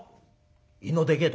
「胃のでけえとこ？」。